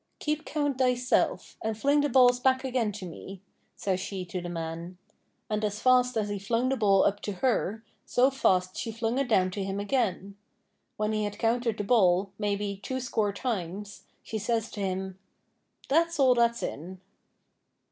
'Keep count thyself, and fling the balls back again to me,' says she to the man. And as fast as he flung the ball up to her, so fast she flung it down to him again. When he had counted the ball, maybe, two score times, she says to him: 'That's all that's in.'